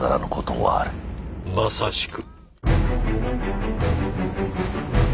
まさしく。